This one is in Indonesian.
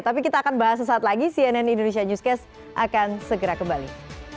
tapi kita akan bahas sesaat lagi cnn indonesia newscast akan segera kembali